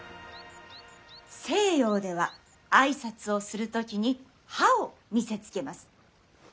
西洋では挨拶をする時に歯を見せつけます。